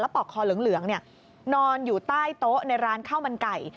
ปอกคอเหลืองนอนอยู่ใต้โต๊ะในร้านข้าวมันไก่